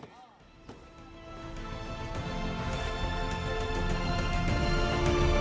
jalan jalan kiri